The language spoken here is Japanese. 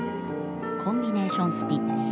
コンビネーションスピンです。